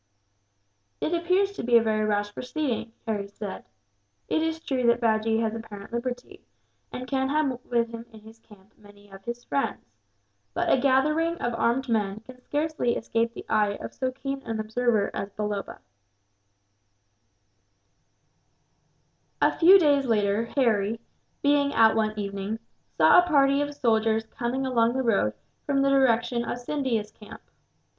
"It appears to be a very rash proceeding," Harry said. "It is true that Bajee has apparent liberty, and can have with him in his camp many of his friends; but a gathering of armed men can scarcely escape the eye of so keen an observer as Balloba." [Illustration: Harry ... saw a party of soldiers coming along the] road. A few days later, Harry, being out one evening, saw a party of soldiers coming along the road from the direction of Scindia's camp.